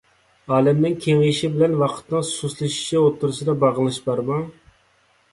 ئالەمنىڭ كېڭىيىشى بىلەن ۋاقىتنىڭ سۇسلىشىشى ئوتتۇرىسىدا باغلىنىش بارمۇ؟